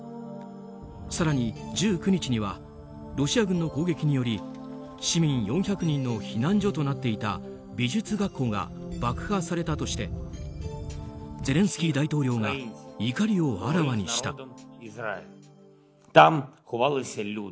更に、１９日にはロシア軍の攻撃により市民４００人の避難所となっていた美術学校が爆破されたとしてゼレンスキー大統領が怒りをあらわにした。